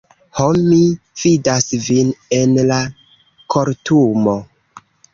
Ho, mi vidas vin en la kortumo.